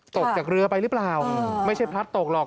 ตกจากเรือไปหรือเปล่าไม่ใช่พลัดตกหรอก